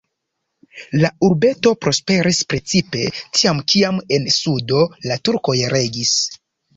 La urbeto prosperis precipe tiam, kiam en sudo la turkoj regis.